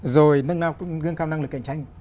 rồi nâng cao năng lực cạnh tranh